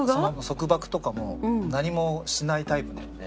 束縛とかも何もしないタイプなので。